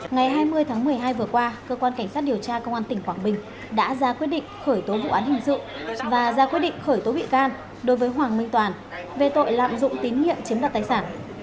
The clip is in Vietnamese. ngày hai mươi tháng một mươi hai vừa qua cơ quan cảnh sát điều tra công an tỉnh quảng bình đã ra quyết định khởi tố vụ án hình sự và ra quyết định khởi tố bị can đối với hoàng minh toàn về tội lạm dụng tín nhiệm chiếm đoạt tài sản